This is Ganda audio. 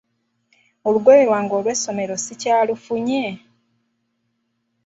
Olugoye lwange olw'essomero sikyalufunye?